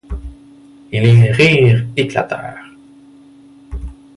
Et les rires éclatèrent.